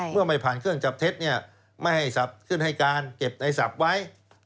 เมื่อไม่ผ่านเครื่องจับเท็จไม่ให้ศัพท์ขึ้นให้การเก็บในศัพท์ไว้